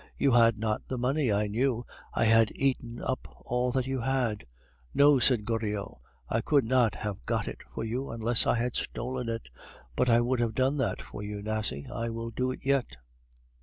You had not the money, I knew, I had eaten up all that you had " "No," said Goriot; "I could not have got it for you unless I had stolen it. But I would have done that for you, Nasie! I will do it yet."